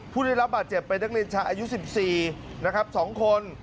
ผู้ได้รับบาดเจ็บเป็นเด็กเรียนชายอายุ๑๔บาท๒คน